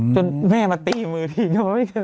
จนแม่มาตี้มือทิ้ง